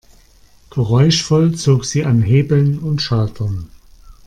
Geräuschvoll zog sie an Hebeln und Schaltern.